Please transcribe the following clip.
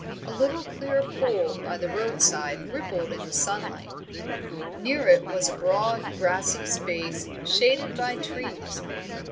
A little clear pool by the roadside rippled in the sunlight. Near it was a broad, grassy space shaded by trees.